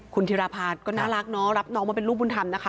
คุณธิรภาก็น่ารักเนาะรับน้องมาเป็นลูกบุญธรรมนะคะ